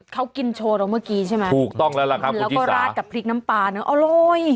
เขากินโชว์เราเมื่อกี้ใช่มั้ยแล้วก็ราดกับพริกน้ำปลาเนอะอร่อย